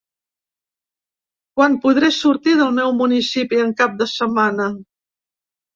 Quan podré sortir del meu municipi en cap de setmana?